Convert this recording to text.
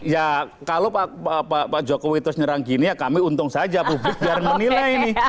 ya kalau pak jokowi terus nyerang gini ya kami untung saja publik biar menilai ini